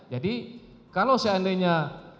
jadi kalau seandainya